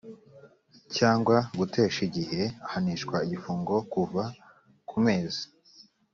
cyangwa gutesha igihe ahanishwa igifungo kuva ku mezi